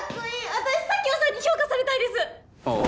私佐京さんに評価されたいですあっ